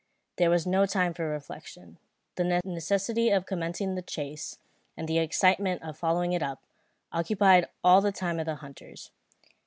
There was no time for reflection. The necessity of commencing the chase, and the excitement of following it up, occupied all the time of the hunters.